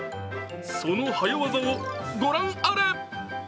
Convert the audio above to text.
その早業を御覧あれ。